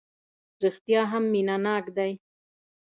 رېښتیا هم مینه ناک دی.